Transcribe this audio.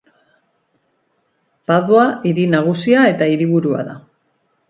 Padua hiri nagusia eta hiriburua da.